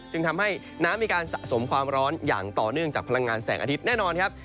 จึงทำให้น้ำมีการสะสมความร้อนอย่างต่อเนื่องจากพลังงานแสงอาทิตย์แน่นอนครับ